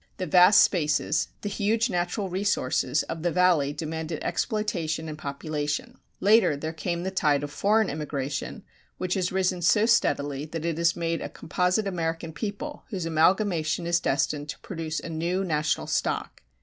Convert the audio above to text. The vast spaces, the huge natural resources, of the Valley demanded exploitation and population. Later there came the tide of foreign immigration which has risen so steadily that it has made a composite American people whose amalgamation is destined to produce a new national stock.